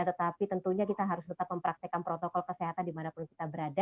tetapi tentunya kita harus tetap mempraktekan protokol kesehatan di mana pun kita berada